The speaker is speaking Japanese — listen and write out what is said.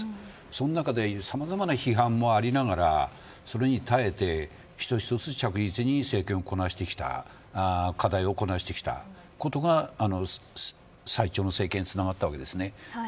その中でさまざまな批判もありながらそれに耐えて一つ一つ着実に政権をこなしてきた課題をこなしてきたことが最長の政権につながったと思います。